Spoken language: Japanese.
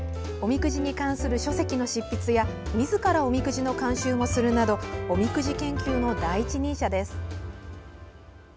おみくじに関する書籍の執筆やみずからおみくじの監修もするなどおみくじ研究の第一人者です。